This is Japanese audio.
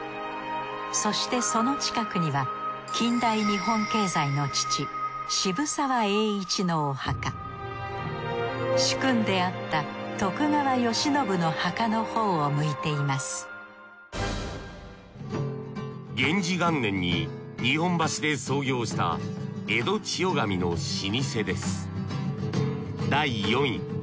そしてその近くには近代日本経済の父主君であった徳川慶喜の墓のほうを向いています元治元年に日本橋で創業した江戸千代紙の老舗です